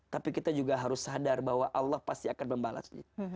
tapi kita juga harus sadar bahwa allah pasti akan membalasnya